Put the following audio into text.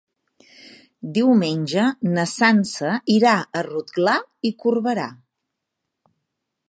Diumenge na Sança irà a Rotglà i Corberà.